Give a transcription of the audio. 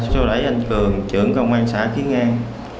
sau đó anh cường trưởng công an xã kiến an